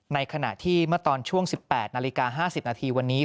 ในขณะที่เมื่อตอนช่วง๑๘นาฬิกา๕๐นาทีวันนี้